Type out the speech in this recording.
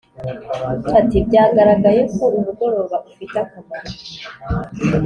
ati: “byagaragaye ko umugoroba ufite akamaro